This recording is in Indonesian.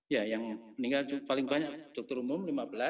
ya yang meninggal paling banyak dokter umum lima belas